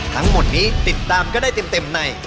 ทั้งหมดนี้ติดตามก็ได้เต็มใน